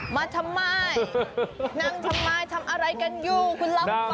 มาทำไมนั่งทำไมทำอะไรกันอยู่คุณลองฟัง